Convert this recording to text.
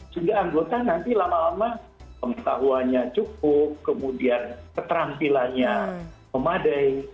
sehingga anggota nanti lama lama pengetahuannya cukup kemudian keterampilannya memadai